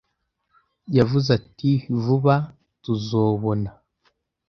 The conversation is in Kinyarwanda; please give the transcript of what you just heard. Yavuze ati Vuba tuzobona